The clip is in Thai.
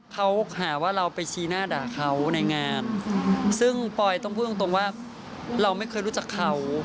เขาหาว่าเราไปชี้หน้าด่าเขาในงานซึ่งปอยต้องพูดตรงตรงว่าเราไม่เคยรู้จักเขา